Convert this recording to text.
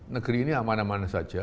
negeri ini aman aman saja